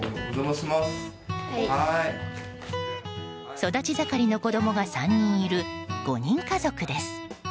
育ちざかりの子供が３人いる５人家族です。